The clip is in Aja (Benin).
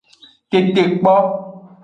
Tetekpo.